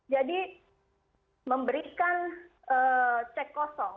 jadi memberikan cek kosong